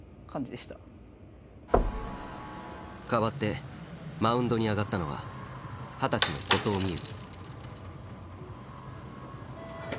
代わってマウンドにあがったのは二十歳の後藤希友。